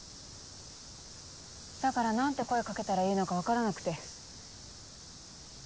だから何て声掛けたらいいのか分からなくて。